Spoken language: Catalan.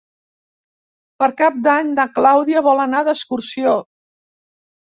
Per Cap d'Any na Clàudia vol anar d'excursió.